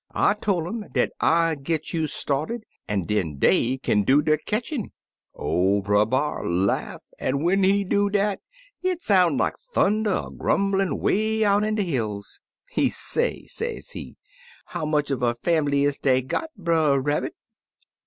I tol' um dat I 'd git you started, an' den dey kin do de ketchin'/ "Or Brer B'ar laugh, an' when he do dat, it soun' like thunder a grumblin' way out in de hills. He say, sezee, 'How much uv a fambly is dey got. Brer Rabbit?'